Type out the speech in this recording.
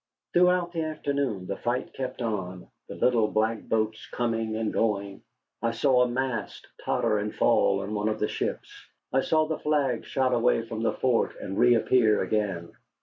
Throughout the afternoon the fight kept on, the little black boats coming and going. I saw a mast totter and fall on one of the ships. I saw the flag shot away from the fort, and reappear again.